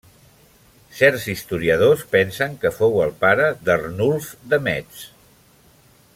Certs historiadors pensen que fou el pare d'Arnulf de Metz.